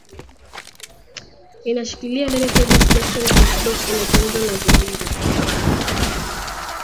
inashikilia ndani Tobias Jackson Postdoc inachunguza mazingira